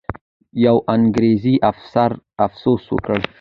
یو انګریزي افسر افسوس وکړ.